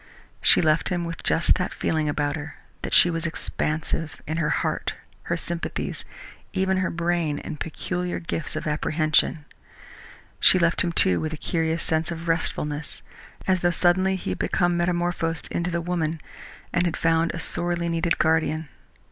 She left him with just that feeling about her that she was expansive, in her heart, her sympathies, even her brain and peculiar gifts of apprehension. She left him, too, with a curious sense of restfulness, as though suddenly he had become metamorphosed into the woman and had found a sorely needed guardian.